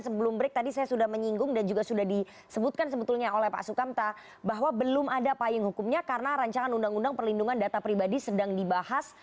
sebelum break tadi saya sudah menyinggung dan juga sudah disebutkan sebetulnya oleh pak sukamta bahwa belum ada payung hukumnya karena rancangan undang undang perlindungan data pribadi sedang dibahas